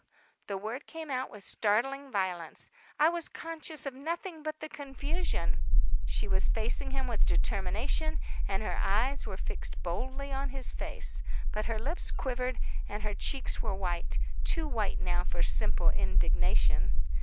The word came out with startling violence. "I was conscious of nothing but the confusion." She was facing him with determination and her eyes were fixed boldly on his face. But her lips quivered, and her cheeks were white, too white now for simple indignation.